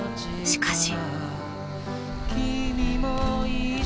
しかし。